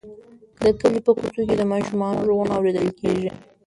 د کلي په کوڅو کې د ماشومانو غږونه اورېدل کېږي.